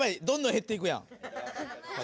どんどんへっていくやん。